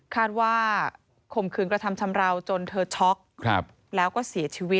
ข่มขืนกระทำชำราวจนเธอช็อกแล้วก็เสียชีวิต